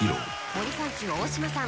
「森三中大島さん。